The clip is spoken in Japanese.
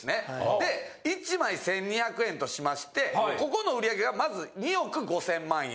で１枚１２００円としましてここの売上がまず２億５千万円。